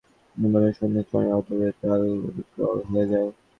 প্রাকৃতিক দুর্যোগের কবলে পড়ে সুন্দরবনের সোনারচরের অদূরে ট্রলারগুলো বিকল হয়ে যায়।